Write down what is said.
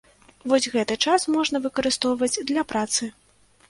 Вось гэты час можна выкарыстоўваць для працы.